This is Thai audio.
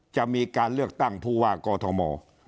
จะมีการเลือกตั้งผู้ว่ากอทม